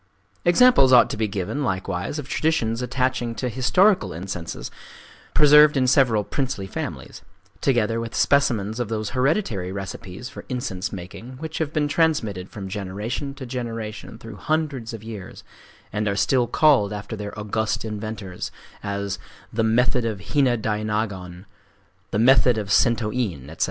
Examples ought to be given likewise of traditions attaching to historical incenses preserved in several princely families, together with specimens of those hereditary recipes for incense making which have been transmitted from generation to generation through hundreds of years, and are still called after their august inventors,—as "the Method of Hina Dainagon," "the Method of Sentō In," etc.